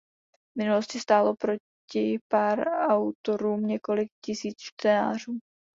V minulosti stálo proti pár autorům několik tisíc čtenářů.